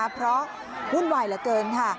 เพราะวุ่นวายเหลือเกินค่ะ